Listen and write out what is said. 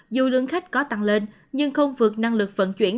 dù lượng khách có tăng lên nhưng không vượt năng lực vận chuyển